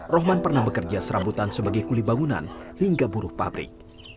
rohman pernah bekerja serabutan sebagai kulibangunan hingga buruh pabrik